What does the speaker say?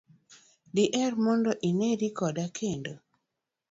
diher mondo ineri kode kendo?